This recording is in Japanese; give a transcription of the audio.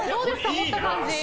持った感じ。